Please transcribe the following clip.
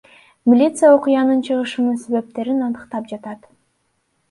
Милиция окуянын чыгышынын себептерин аныктап жатат.